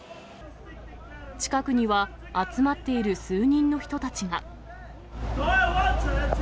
近くには、集まっている数人の人たちが。